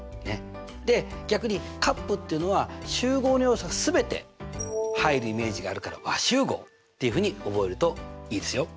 で逆に∪っていうのは集合の要素が全て入るイメージがあるから和集合っていうふうに覚えるといいですよ。